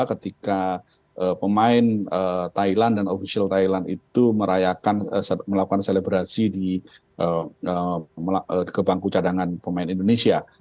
ketika pemain thailand dan ofisial thailand itu merayakan melakukan selebrasi ke bangku cadangan pemain indonesia